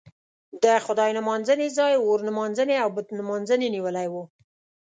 د خدای نمانځنې ځای اور نمانځنې او بت نمانځنې نیولی و.